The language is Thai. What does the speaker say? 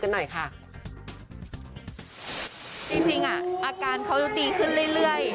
จริงอาการเขาจะตีขึ้นเรื่อย